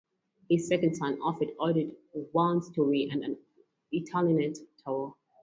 His second son, Alfred, added one storey and an Italianate tower.